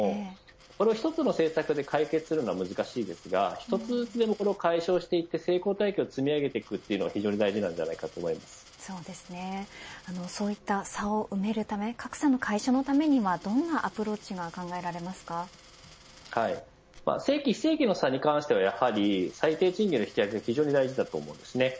一つの政策で解決するのは難しいですが一つずつでも解消して成功体験を積み上げていくのがそういった差を埋めるため格差の解消のためにはどんなアプローチが正規、非正規の差に関してはやはり最低賃金の引き上げが非常に大事だと思います。